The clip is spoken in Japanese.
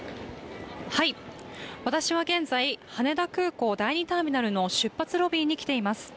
私は現在、羽田空港・第２ターミナルの出発ロビーに来ています。